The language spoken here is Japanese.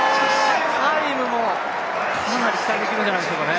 タイムもかなり期待できるんじゃないでしょうか。